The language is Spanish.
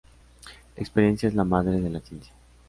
La experiencia es la madre de la ciencia